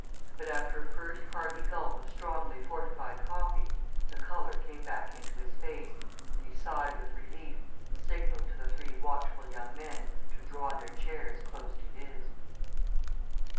But after a first hearty gulp of strongly fortified coffee the colour came back into his face, he sighed with relief, and signalled to the three watchful young men to draw their chairs close to his.